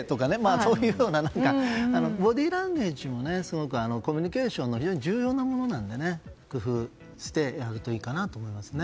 そういうようなボディーランゲージもすごくコミュニケーションの非常に重要なものなので工夫をしてやるといいかなと思いますね。